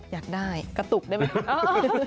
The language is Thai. อยากได้กระตุกได้ไหม